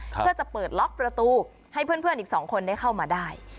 เพื่อจะเปิดล็อกประตูให้เพื่อนอีก๒คนได้เข้ามาได้